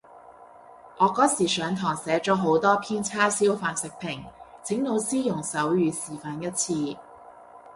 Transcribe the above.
我嗰時上堂寫咗好多篇叉燒飯食評，請老師用手語示範一次